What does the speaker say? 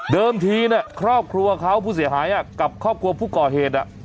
ทีครอบครัวเขาผู้เสียหายกับครอบครัวผู้ก่อเหตุ